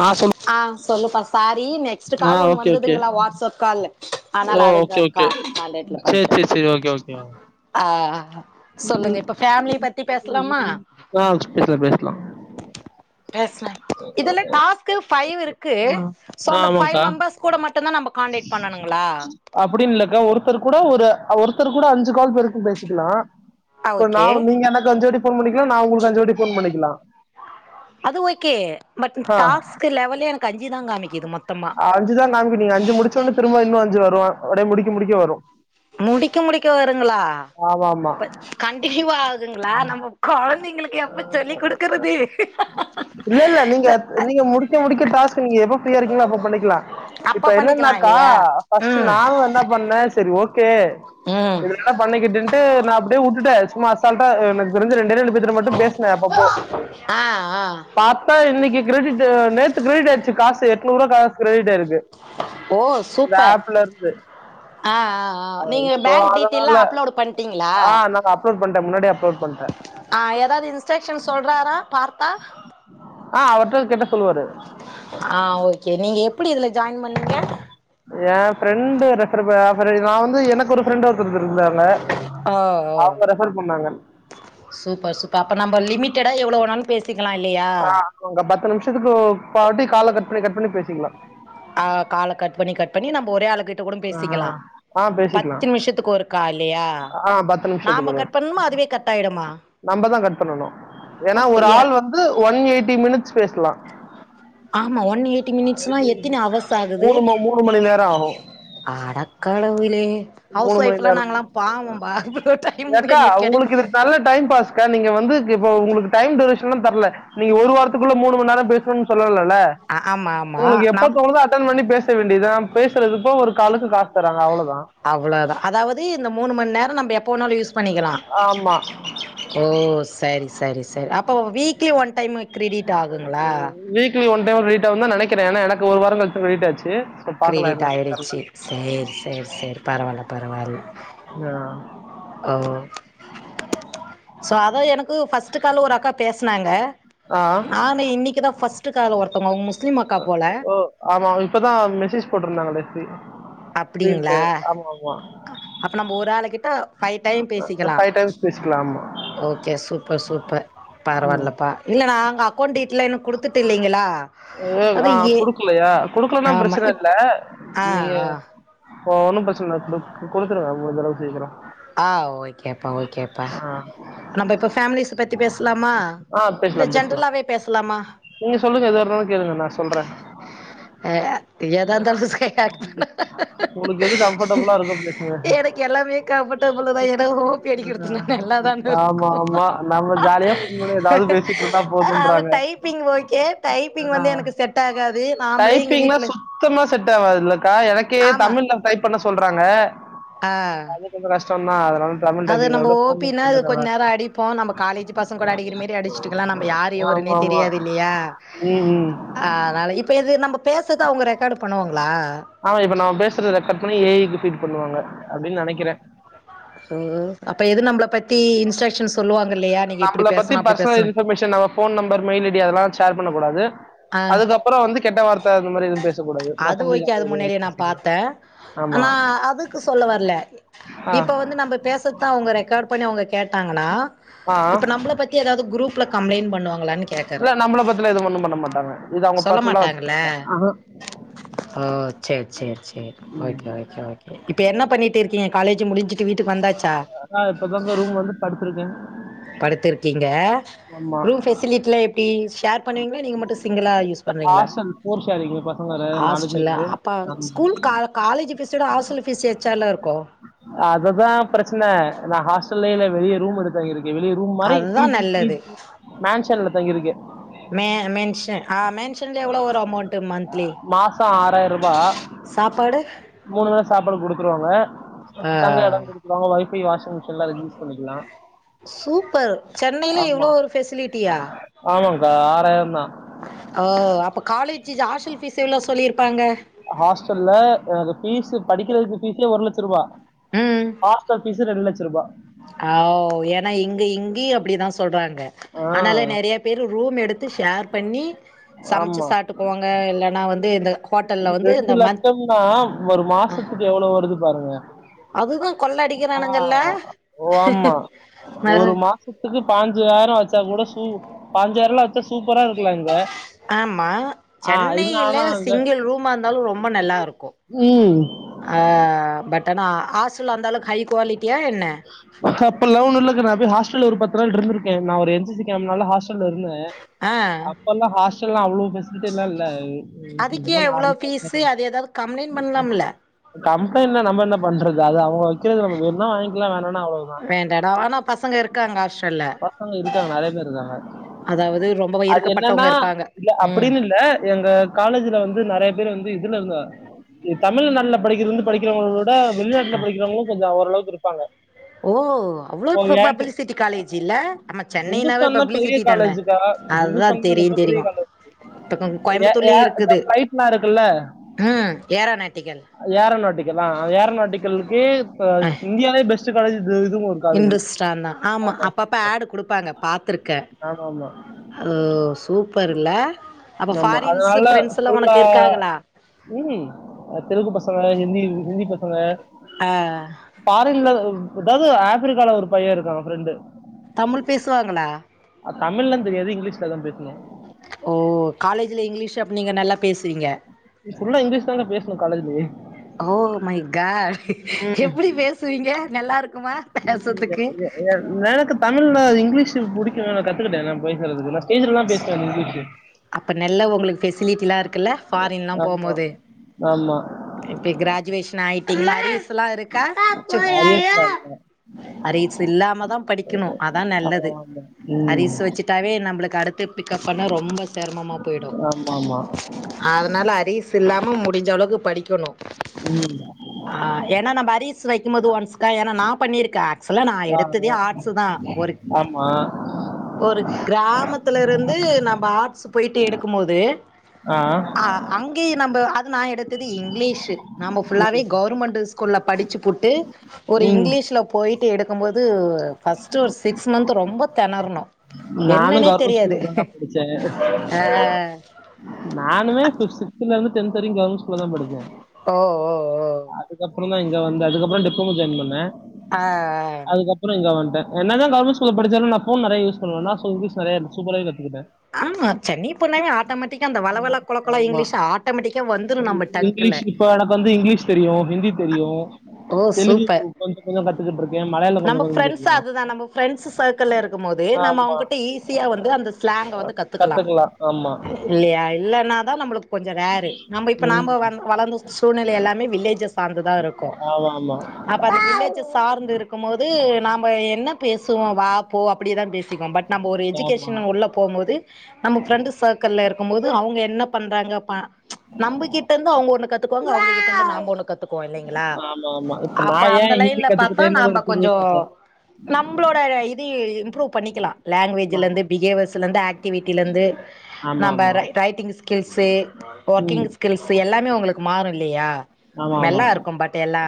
ஆ சொல் ஆ சொல்லுப்பா சாரி நெக்ஸ்ட் கால் ஒண்ணு ஓகே ஓகே வந்ததுங்களா வாட்ஸ்அப் கால் அதனால ஆ அதுக்கு ஓகே கா ஓகே கான்டாக்ட்ல சேரி பண்ணிட்டு சேரி சேரி ஓகே ஓகே ஆ சொல்லுங்க இப்ப ஃபேமிலி பத்தி பேசலாமா ஆ பேசலா பேசலா பேசலாங் டாஸ்கு பைவ் இருக்கு ஆ சோ ஆ அந்த பைவ் ஆமாங்க்கா மெம்பர்ஸ் கூட மட்டுதா நம்ப கான்டெக்ட் பண்ணனுங்களா க்க ஒருத்தர் கூட ஒரு ஒருத்தர் கூட அஞ்சு கால் பேருக்கு பேசிக்கலா ஆ இப்ப நா ஓகே நீங்க எனக்கு அஞ்சு வாட்டி ஃபோன் பண்ணிக்கலா நா உங்களுக்கு அஞ்சு வாட்டி ஃபோன் பண்ணிக்கலா அது ஓக்கே பட் ஆ டாஸ்க் லெவலே எனக்கு அஞ்சுதா காமிக்குது மொத்தமா அஞ்சுதா ஒடே முடிக்க முடிக்க வரும் முடிக்க முடிக்க வருங்ளா ஆமா ஆமா அப்ப கண்டினியூ ஆகுங்களா நம்ம கொழந்தைங்களுக்கு எப்ப சொல்லி குடுக்கறது இல்ல இல்ல நீங்க நீங்க முடிக்க முடிக்க டாஸ்க் நீங்க எப்ப ஃப்ரியா இருக்கீங்ளோ அப்ப பண்ணிக்கலாம் இப்ப அப்ப பண்ணிக்கலா என்னன்னாக்கா இல்லையா பஸ்ட்டு ம் நானு என்ன பண்ணேன் சரி ஓக் கு ம் இதுலா பண்ணிக்கிட்டுட்டு நா அப் டியே உட்டுட்டேன் சும்மா அசால்ட்டா எனக்கு தெரிஞ்சு ரெண்டே ரெண்டு பேத்துட்ட மட்டும் பேஸ்னே அப்பப்போ ஆ ஆ பாத்தா இன்னிக்கி கிரடிட் நேத்து கிரடிட் ஆயிச்சு காசு எட் நூறுவா காசு கிரெடிட் ஆயிருக் ஓ சூப்பர் இருந்து ஆ ஆ நீங்க சோ பேங்க் டீடெயில்லா அதனால அப்லோட் பண்ணிடீங்ளா ஆ நாங்க அப்லோட் பண்டேன் முன்னாடி அப்லோட் கொன்றே ஆ ஏதாது இன்ஸ்ட்ரக்ஷன் சொல்றாரா பார்த்தா ஆ அவருட்ட கேட்ட சொல்லுவாரு ஆ ஓகே நீங்க எப் புடி இதுல ஜாயின் பண்ணிங்க என் ஃப்ரெண்ட் ரெபர் ரெபரி நா வந்து எனக்கு ஒரு ஃப்ரெண்ட் ஒருத்தரு ஆ ஓ ரெஃபர் பண்ணாங்க சூப்பர் சூப்பர் அப்ப நம்ப லிமிட்டடா எவ்ளோ வேணாலும் பேசிக் கலாம் இல்லியா து நிமிஷத்துக்கு ஃபாட்டி கால கட் பண்ணி கட் பண்ணி பேசிக்கலாம் ஆ கால கட் பண்ணி கட் பண்ணி நம்ம ஒரே ஆளுகிட்ட கூட ஆ பேசிக்கலா ஆ பத்து பேசிக்கலாம் நிமிஷத்துக்கு ஒருக்கா இல்லையா ஆ பத்து நிமிஷத்துக் நாம ஒரு கட் வாட்டி பண்ணுமா அதுவே கட் ஆயிடுமா நம்மதான் கட் பண்ணனு ஏன்னா ஒரு அப்டியா ஆள் வந்து ஒன் எயிட்டி மினிட்ஸ் பேசலா ஆமா ஒன் எயிட்டி மினிட்ஸ் எத்தினி அவர்ஸ் ஆகுது மூணு ம- மூணு மணி நேரம் ஆகும் அட கடவுளே ஹவுஸ் மூணு மணி ஒய்ப்பு நேரம் நாங்ளாம் பாவம்ப்பா அவ்ளோ டைம் எங்களுக்கு கெடைக் க நீங்க வந்து இப்ப உங்களுக்கு டைம் டூரேஷன்லாம் தர்ல நீங்க ஒரு வாரத்துக்குள்ள மூணு மணி நேரம் பேசணுன்ர சொல்லல்ல ஆ ஆமா ஆமா ஒங்களுக்கு எப்ப நம் தேணுதோ அட்டன் பண்ணி பேஸ் ச வேண்டியதார பேசுறதுக்கு ஒரு காலக்கு காசு தராங்க அவ்ளோ அவ்ளோதா அதாவுது இந்த மூணு மணி நேரம் நம்ப எப்ப வேனாலும் யூஸ் பண்ணிக்கலாம் ஆமா ஓ சரி சரி சரி அப்ப வீக் வீக்லி ஒன் டைம் ரிவிட் ஆவுன்தா நெனக் கிறே ஏன்னா எனக்கு ஒரு வாரம் கழிச்சு கிரெடிட் ஆச்சு ஸோ பார்க்கலாம் கிரடிட் என்ன தெரியல ஆயிடுச்சு சேரி சேரி சேரி பரவால்ல பரவால்ல ஓ சோ அத எனக் கு பஸ்ட்டு காலு ஒரு அக்கா பேசினாங்க ஆ ஆ. நானே இன்னைக்குதா ஃபஸ்ட் ஓ ஆமா இப்பதா மெசேஜ் போட்டுருந்தாங்க டெஸி அப்டிங்ளா அப்ப நம்ம ஒரு ஆளு கிட்ட பைவ் டைம் பேசிக்கலா ஃபைவ் டைம்ஸ் பேசிக்கலாம் ஆமா ஓகே சூப்பர் சூப்பர் பரவாயில்லா பா இல்ல நா அக்கௌண்டு டீடெய்ல் இன்னு குடுத்துட் ஆ குடுக்கலையா குடுக்கலன்னா ஆமா பிரச்சன இப் இல்ல ஆ நீங்க ஆ ஒ ஒன்னும் பிரச்சன இல்ல குடு குடுத்துருங்க அவுங்களுக்கு முடுஞ்சளவு சீக்கரோ ஆ ஓகேப்பா ஓகேப்பா ஆ நம்ம இப்ப பேமிலிஸ் பத்தி பேசலாமா ஆ இல்ல பேசலாம் பேசலாம் ஜென்ரலாவே பேசலாமா நீங்க சொல்லுங்க எதுவா இருந்தாளு கேளுங்க நா சொல்றே எதா இருந்தாலு தா தச ஆ பண்ண உங்களுக்கு எது கம்ஃபர்டபுளா இருக்கோ பேசுங்க எனக்கு எல்லாமே கம்பர்டபிள் தா ஏன்னா ஓபி அடிக்குறதுனா நல்ல தான ஆமா இருக்கு ஆமா நம்ம ஜாலியா ஃபோன் பண்ணி ஏதாவது பேசிட்டு இருந்தா அத போதுன்றாங்க டைப்பிங் ஏ டைப்பிங் வந்து எனக்கு செட் ஆகாது நாமளே எங்க டைப்பிங்னா வீட்ல சுத்தமா செட்ட ட்டாவாதுல எனக்கே ஆமா தமிழ்ல டைப் பண்ண சொல்றாங்க ஆ அது கொஞ்சோ கஷ்டோ சொன்னா அதுனால அது நம்ப ஓப்பின்னா அது கொஞ்ச நேரோ அடிப்போ நம்ம காலேஜ் பசங்க கூட அடிக்கிறமாரி அடிச்சிட்டுக்கலா நம்ம யாரு எவருனே தெரியாது இல்லையா உம் உம் அதனால இப்ப இது நம்ம பேசுறது அவங்க ரெக்கார்டு பண்ணுவாங்களா ஆமா இப்ப ந பேசுறது கட் பண்ணி ஏஐ க்கு பீட் பண்ணுவாங்க அப்டின்னு நெனக்குறே ம் அப்ப எது நம்மள பத்தி இன்ஸ்ட்ரக்ஷன் சொல்லுவாங்க இல்லையா நீங்க இப்டி நம்மள பத்தி பேசணு அப்டி பர்சனல் பேசணு இன்பர்மேஷன் நம்ம ஃபோன் நம்பர் மெயில் ஐடி அதெல்லா கால் பண்ணக்கூடாது ஆ அதுக்கப்றௌ வந்து கெட்ட வார்த்த அந்த மாரி எதுவு பேசக்கூடாது அது மத்தபடி ஓகே நம்ம அது எது வேணா முன்னாடியே நா பேசிக்கலா பாத்தே ஆமா நா அதுக்கு சொல்ல வரல ஆ இப்ப வந்து நம்ம பேசறதுதா அவுங்க ரெக்காட் பண்ணி அவுங்க கேட்டாங்கனா ஆ இப்ப நம்மள பத்தி ஏதாவது குரூப்ல கம்ப்ளைண்ட் பண்ணுவாங்ளா இல்ல நம்மள பத்தில எதுவு ஒன்னும் பண்ண மாட்டாங்க இது அவங்க சொல்ல பர்சனலா மாட்டாங்கள வச்சுக்குவாங்க ஆ ஓ சேரி சேரி ஓகே ஓகே ஓகே இப்ப என்ன பண்ணிட்டு இருக்கீங் ம் காலேஜ் முடிஞ்சுட்டு வீட்டு வந்தாச்சு ஆ இப்பதங்க ரூம் வந்து படுத்துருக்கே படுத்துருக்கீங்க ஆமா ரூம்ஃபெசிலிடிலா எப்டி ஷேர் பண்ணீவீங்களா நீங்க மட்டு சிங்கிளா யூஸ் பன்னுவீங்களா ஹாஸ்டல் ஃபோர் ஷேரிங்கு பசங்க ரெ- நாலு ஆஸ்டலா பேரு அப்ப ஆமா ஸ்கூல் கா காலேஜ் ஃபீஸ்டோட ஹாஸ்டல் ஃபீஸ் எக்ஸ்டால இருக்கு டலேல வெளகய ரூம் எடுத் தங்கிருக்கு இவெளி ரூம் மாரி பி [unintelligible] மேன்ஷன் ஆ மேன்ஷன் எவ்ளோ ஒரு அமௌ்ன்டு மந்தலி மாசோ ஆறாயிர ரூபா சாப்பாடு த்துருவாங்க ஆ தங்க இட குடுத்துருவாங்க ஒய்ஃபை வாஷிங் மிஷின் எலா யூஸ் பண்ணிக்கலா னையில இவ்ளோ ஒரு ஃபெசிலிட்டியா ஆமாக்கா ஆராய்ரந்தா ஒ அப்ப காலேஜ் ஹாஸ்டல் ஃபீஸ் எவ்ளோ சொல்லிருப்பாங்க ஹாஸ்டல்ல எனக்கு ஃபீஸ் படிக்கிறதுக்கு ஃபீஸே ஒரு லச்ச ரூபா ஹாஸ்டல் ஃபீஸ் ரெண்டு லச்ச ரூபா அவ் ஏன்னா இங்க இங்கயு அப்டிதாஸ் சொல்றாங்க ஆ ஆனால நறைய பேர் ரூம் எடுத்து ஷேர் பண்ணி சமைச்சு சாட்டு போவாங்க இல்லன்னா வந்து இந்த ஹோட்டல்ல உ வந்து ரெண்டு இந்த மந்த் லட்சம்னா ஒரு அ மாசத்துக்கு எவ்வளோ வருது பாருங்க அதுதா கொள்ள ஆ அடிக்கிறானுங்கல்ல ஒ ஆமா மறு ஒரு மாசத்துக்கு பாஞ்சுாயிரோ வச்சா கூட உ பான்ஞாய்ரல்லா சூப்பரா இருக்கலா இங்க ஆமா ஆ இருந்தாலு அங்க மா இருந்தாலு ரொம்ப நல்லா இருக்கு ம் ஆ ஆ கட்டனு ஆ ஆசல் வந்தாலு ஹைக் குவாலி அப்டிலா ஒன் இல்லகா நா போய் ஹாஸ்டல்ல ஒரு பத்து நாள் இருந்துக்கு நா ஒரு என் சி சி கம்ப்னால ஹாஸ் அப்பல்ல இருந்தே ஆ அப்பல்லா ஹாஸ்டல்ல லா அவ்ளோ ஃபெஸிலிடல்லா இல்ல அதுக்கே எவ்ளோ ஃபீஸு அது ஏதாவது கம்ப்ளைண்ட் பண்ணலாம்ல [unintelligible] ஹாஸ்டல்ல நம்ம என்ன பண்றங்க [unintelligible] [unintelligible] ல்லாம் வேனா நா அவ்ளோ தா வேண்டாடா ஆனா பசங்க இருக்காங்க ஹாஸ்டல்ல பசங்க இருக்காங்க நறைய பேர் இருக்காங்க அதாவது ரொம்ப அது என்னன்னா இறுக்கப்பட்டவங்க இருப்பாங்க இ ம் அப்படின்னு இல்ல எங்க காலேஜல வந்து நிறைய பேர் வந்து இருந்த இருந்த தமிழ் நல்ல படிக்கிறது வந்து படிக்க [unintelligible] வெளிநாட்டில படிக்கிறவங்கலு கொஞ்ச ஓரளவுக்கு இருக்கு இருப்பாங்க ஓ அவ்ளோ ப பப்ளிசிட்டி காலேஜ் இல்ல ஆமா [unintelligible] சென்னைனாவே இந்துஸ்தான்தா பெரிய பப்ளிசிட்டி தான காலேஜுக்கா அதுதா இந்துஸ்தான் தெரியு ரொம்ப பெரிய தெரியு காலேஜ் இப்ப எ எ கோயம்புத்தூர்லயு இந்த இருக்குது பிளைட்லா இருக்குல்ல ம் ஏரோநாட்டிக்கல் ஏரநாட்டிக்கள் அ ஏரநாட்டிக்கலுக்கு இப்ப அ இந்தியாலே பெஸ் ஸ்ட்டு காலேஜ் இது இதுவு ஒரு காலேஜ் இந்துஸ்தான் தா ஆமா அப்பப்ப ஆடு குடுப்பாங்க பாத்துருக்கே ஆமா ஆமா ஓ சூப்பர் இல்ல அப்ப ஆ ஆமா ஃபாரின்ஸு அதனால ஃப்ரெண்ட்ஸ் எல்லா ஃபுல்லா உனக்கு இருக்காங்களா ம் தெலுகு பசங்க ஹந்தி ஹிந்தி பசங்க ஆ பாரின்ல ஏதாவது ஆப்பிரிக்கால ஒரு பையே இருக்காங்க ஃப்ரெண்டு தமிழ் பேசுவாங்களா தமிழ்லா தெரியாது இங்கிலீஷ்லதா பேசுனு ஓ காலேஜ்ல இங்கிலீஷ் அப்ப நீங்க நல்லா பேசுவிங்க ஃபுல்லா இங்கிலீஷ்தாகா பேசணு காலேஜிலியே ஓ மை காட் ம்ம் எப்டி பேசுவீங்க நல்லா இருக்குமா எ பேசறதுக்கு எ எனக்கு தமிழ்ல இங்கிலீஷ் புடிக்கு கத் த்துக்கிட்டே [unintelligible] அப்ப நல்ல உங்களுக்கு பெசிலிட்டில்லா இருக்குல்ல ஃபாரின்ல்லா ஆமா ஆமா இப்ப கிராஜுவேஷன் ஆயிட்டீங்கள அரியர்ஸ்ல்லா இருக்கா அரியர்ஸ்ல இல்ல அரிஸ் இல்லாமதா படிக்கணு அதா நெல்லது அரிஸ் வச்சுட்டாவே நம்மளுக்கு அடுத்து பிக்கப் பண்ண ரொம்ப சிரமம்மா போயிடு ஆமா ஆமா அதனால அரிஸ் சி இல்லாமல் முடிஞ்சளவுக்கு படி க்குனு ம் ஸ் வைக்குபோது ஒன்ஸ்கா ஏன்னா நா பண்ணிருக்கே ஸ்லா நா எடுத்ததே ஆமா ஆமா ம் ஆ, ஆட்ஸ் தா ஒரு ஆமா ஒரு கிராமத்துல இருந்து நம்ம ஆட்ஸ் போயிட்டு எடுக்கு போது ஆ அ அங்கேய நம்ம அது நா இங்கீஷ் நாம ஃபுல்லாவே கவர்மெண்ட் ஸ் கூல படிச்சுப்புட்டு ஒரு ம் இங்கிலீஷ்ல போயி த் எடுத் க்கு போது ஃபஸ்ட் ஒரு சிக்ஸ் மந்த் ரொம்ப தெணர்ணொ நானும் என்னன்னே கவர்மெண்ட் தெரியாது ஸ்கூல்ல தாங்க படிச்சேன் ஆ அ டென்த்வரைக்கு கவுர்மெண்ட் ஸ்கூல்லதா படிச்சே ஓ ஓ ஓ ப்புறோந்தா இங்க வந்தே அதுக்கப்பறோ டிப்ளமோ ஜாயின் பண்ணே ஆ ஆ அதுக்கப்புறோ இங்க வந்டே என்னதா கவர்மெண்ட் ஸ்கூல்ல படிச்சாலு நா ஃபோன் நெறய யூஸ் பண்ணுவனா சோ இங்கிலிஷ் நெறய சூப்பரா கத் ஆமா சென்னை போனாவே ஆட்டோமேட்டிக்கா அந்த வழவழ கொழகொழ ஆமா இங்கிலீஷு ஆட்டோமேட்டிக்கா வந்துரு நம்ம டங்க்குல தெரியு தெலுகு கொஞ்ச கொஞ்ச கத்துக்கிட்ருக்கே நம்ப ஃப்ரெண்ட்ஸ் அதுதா நம்ப ஃப்ரெண்ட்ஸ் சர்க்கிள்ல இருக்கும் போது நம்ம ஆமா அவங்ககிட்ட ஈஸியா வந்து அந்த ஸ்லாங்க வந்து கத்துக்கலா கத்துக்கலாம் ஆமா இல்லையா இல்லன்னாதா நம்பளுக்கு கொஞ்ச ரேரு நம்ம இப்ப ம் நாம வந் வளந்த சூழ்நெல எல்லாமே வில்லேஜஸ் சார்ந்துதா இருக்கு ஆமா ஆமா அப்ப அந்த வில்லேஜ சார்ந்து இருக்கும் போது நாம்ப என்ன பேசுவோ வா போ அப்பிடியேதா பே சிக்குவோ பட் நம்ப ஒரு ஆமா எஜுகேஷன் உள்ள போகும்போது நம்ம ஃப்ரெண்டு சர்க்கிள்ல இரு க்கும்போது அவுங்க என்ன பண்றாங்க பா நம்பகிட்ட இர்ந்து அவுங்க ஒண்ணு கத்துக்குவாங் க அவங்ககிட்ட இருந்து நாம்ப ஒன்னு கத் துக்குவோ இல்லீங்களா ஆமா ஆமா இப்ப அப்ப நான் அந்த ஏன் ஹிந்தி லைன்ல பாத்தா கத்துக்கிட்டேன்னு நாம்ப ஒரு பெரிய கொஞ்சோ கதை நம்பளோட இது இம்ப்ரூவ் பண்ணிக்கலா ஆமா லாங்குவேஜ்லிர்ந்து பிஹேவியர்ஸ்லேர்ந்து ஆக்ட்டிவிட்டிலேர்ந்து ஆமா நாம்ப ஆமா. ரைட்டிங் ஸ்கில்ஸு ஒர்க்கிங் ம் ஸ்கில்ஸு எல்லாமே உங்களுக்கு மாறு இல்லியா ஆமா ஆமா நல்லா இருக்கு பட் எல்லா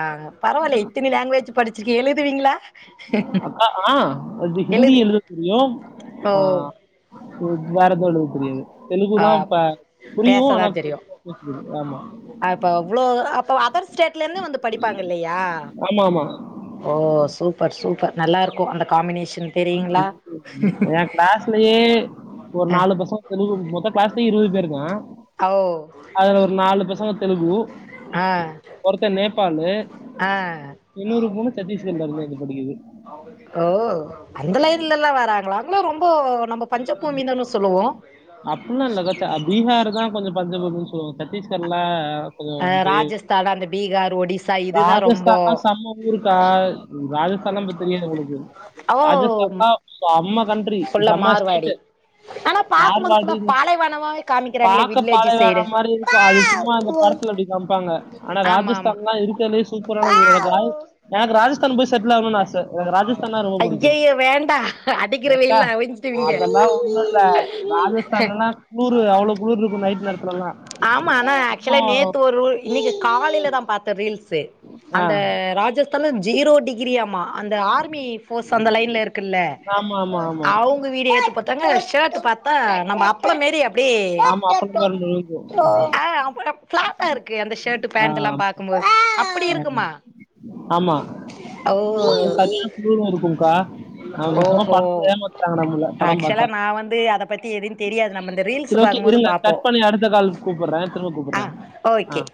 பரவால்ல இத்தினி லாங்வேஜ் படிச்சிருக்கீ எழுதுவீங்ளா அக்கா ஆ அது ஹிந்தி எழுது எழுதத் தெரியு ஓ ஆ இத் வேற எதுவு எழுத தெரியாது ஆ தெலுங்குலாம் ப புரியும் பேசதா ஆனா தெரியு பெருசா பேச தெரியாது. ஆமா அப்போ இவ்ளோ அப்ப அதர் ஸ்டேட்லருந்து படிப்பாங்க இல்லயா ஆமா ஆமா ஓ சூப்பர் சூப்பர் நல்லாருக்கு அந்த காம்பினே [inaudible] ஏன் கிளாஸ்லயே ஒரு அ நாலு பசங் தெலு கு மொத்த கிளாஸ்லயு இருவது பேருதா ஓ அதுல ஒரு நாலு பசங்க தெலுகு ஆ ஒருத்த நேபாளு ஆ இன்னொரு பொண்ணு சத்தீஸ்கர்ல இருந்து வந்து படிக்குது ஓ அந்த லைன்ல இருந்தல்லா வாராங்களா அவங்கல்லா ரொம் அப்டில்லா இல்லக்கா ச்ச ஆ பீஹாருதா கொஞ்சோ பஞ்சபூமின்னு சொல்லுவோ சத் தீஸ்கர்ல கொஞ்சோ அ பெ ராஜஸ்தான் அந்த பீகார் ஒடிசா இதுதா ரொம்போ ராஜஸ்தான்லா செம்ம ஊருக்கா இது ராஜஸ்தான்லா நம்பளுக்கு தெரியாது உங்களுக்கு ஓ ராஜஸ்தான்லா செம கண்ட்ரி செம வாடி ஆனா பாக்கும்போது ஃபுல்லா இந்த பாலைவனமாவே காமிக்கிறாங்களே பாக்க வில்லேஜு சைடு பாலைவனம் மாரி இருக்கும் அது சும்மா அந்த படத்துல அப்டி காமிப்பாங்க ஆனா ஆமா ஆமா ராஜஸ்தான்லா இருக்கறதுலயே சூப்பரான ஊரு எனக்கு ராஜ எனக்கு ராஜஸ்தானு போய் செட்லு ஆகணுன்னு ஆச எனக்கு ராஜஸ்தான்னா ரொம்ப புடிக்கு ஐயய்யோ வேண்டா அடிக்கிற யக்கா வெயில்ல அவிஞ்சிடுவீங்க அதல்லா ஒன்னுல ராஜஸ்தான்லலாம் குளுரு அவ்ளோ குளுருருக்கும் நைட் நேரத் ஆமா ஆனா ஆக்சுவலா நேத்து ஒரு ரூல் இன்னிக்கு காலேல தா பாத்தேன் ரீல்ஸ் ஸு ஆ அந்த ராஜஸ் அப்பலா ஜீரோ டிகிரியா மா அந்த ஆர்மி ஃபோர்ஸ் அந்த லைன்ல இருக்குல்ல ஆமா ஆமா ஆமா அவுங்க வீடு ஏத்து ப ஒருத்தங்க ஷர்ட் பாத்தா நம்ப அப்பளமேரி ஆமா அப்பளம் மாரி நொறுங்கும் ஓ ஆ அப்டம் பிளாட்டா இருக்கு அந்த ஷ ட் ஆ, பேண்ட் எல்லாம் பாகும்போது ஆமா ஓ அது சரியா குளுரும் இருக்கும்கா நம்ம சும்மா ஓஹோ படத்துல ஏமாத்துவாங்க நம்மள படம் ஆக்சுவலா பாத்தா நா வந்து அத பத்தி எதுவு தெரியாது நம்ம இந்த ரீல்ஸ் சரி ஓகே பாக்கும்போது இருங்க பாப்போ கட் பண்ணி அடுத்த கால் கூப்புறேன் திரும்ப ஆ கூப்புறேன் ஆ ஓகே